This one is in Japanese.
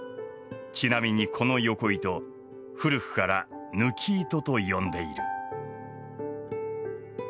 ちなみにこのよこ糸古くから緯糸と呼んでいる。